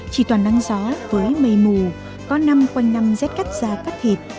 chỉ toàn nắng gió với mây mù có năm quanh năm rét cắt da cắt thịt